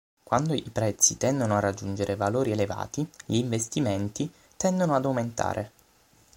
Quando i prezzi tendono a raggiungere valori elevati, gli investimenti tendono ad aumentare.